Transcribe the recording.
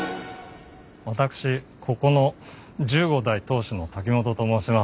私ここの十五代当主の瀧本と申します。